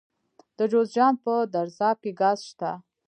د جوزجان په درزاب کې ګاز شته.